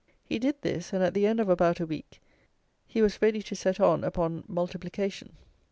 He did this, and at the end of about a week he was ready to set on upon multiplication.